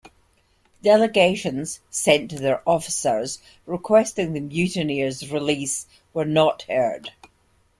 Delegations sent to their officers requesting the mutineers' release were not heard.